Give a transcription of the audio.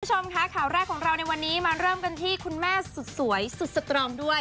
คุณผู้ชมค่ะข่าวแรกของเราในวันนี้มาเริ่มกันที่คุณแม่สุดสวยสุดสตรองด้วย